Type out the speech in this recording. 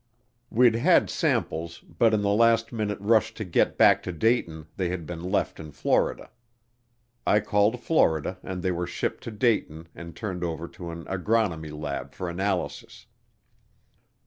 We'd had samples, but in the last minute rush to get back to Dayton they had been left in Florida. I called Florida and they were shipped to Dayton and turned over to an agronomy lab for analysis.